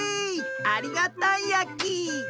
ありがたいやき！